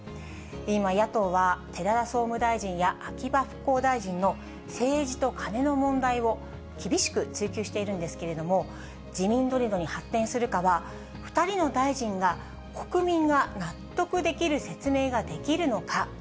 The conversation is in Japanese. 今、野党は寺田総務大臣や秋葉復興大臣の政治と金の問題を厳しく追及しているんですけれども、辞任ドミノに発展するかは、２人の大臣が国民が納得できる説明ができるのか。